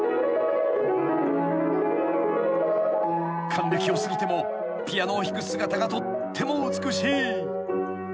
［還暦を過ぎてもピアノを弾く姿がとっても美しい］